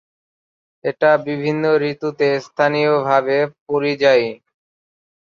এটা বিভিন্ন ঋতুতে স্থানীয়ভাবে পরিযায়ী।